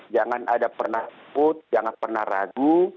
jangan ada pernah takut jangan pernah ragu